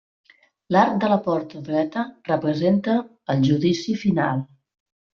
L'arc de la porta dreta representa el Judici Final.